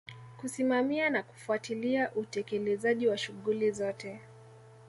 Kusimamia na kufuatilia utekelezaji wa shughuli zote